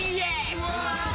うわ！